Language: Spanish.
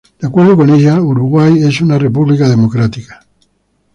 De acuerdo con ella, Uruguay es una república democrática.